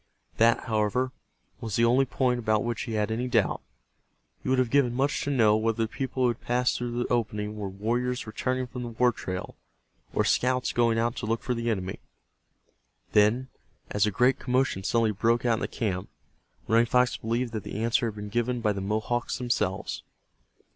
That, however, was the only point about which he had any doubt. He would have given much to know whether the people who had passed through the opening were warriors returning from the war trail, or scouts going out to look for the enemy. Then, as a great commotion suddenly broke out in the camp, Running Fox believed that the answer had been given by the Mohawks themselves.